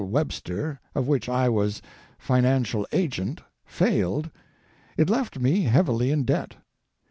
Webster, of which I was financial agent, failed, it left me heavily in debt.